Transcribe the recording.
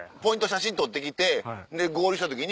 写真撮ってきて合流した時に。